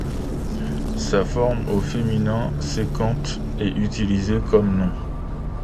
Sa forme au féminin, sécante, est utilisée comme nom.